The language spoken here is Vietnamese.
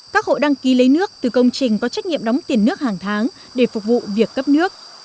các hộ đăng ký lấy nước từ công trình có trách nhiệm đóng tiền nước hàng tháng để phục vụ việc cấp nước